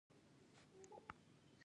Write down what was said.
قوماندان امنیه څه مسوولیت لري؟